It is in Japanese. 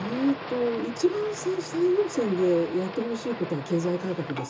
一番最優先でやってほしいことは経済改革です。